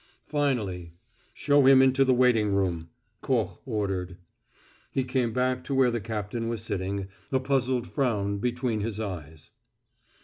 Finally, "Show him into the waiting room," Koch ordered. He came back to where the captain was sitting, a puzzled frown between his eyes.